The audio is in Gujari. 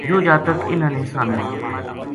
یوہ جاتک اِنھاں نے سامیو